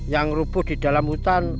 yang rubuh di dalam hutan